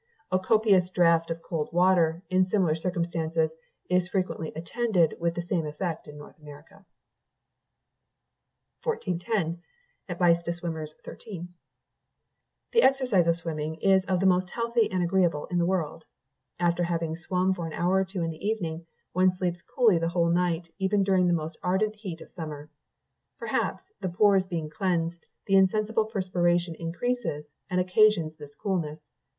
A copious draught of cold water, in similar circumstances, is frequently attended with the same effect in North America. 1410. "The exercise of swimming is of the most healthy and agreeable in the world. After having swum for an hour or two in the evening one sleeps coolly the whole night, even during the most ardent heat of summer. Perhaps, the pores being cleansed, the insensible perspiration increases, and occasions this coolness.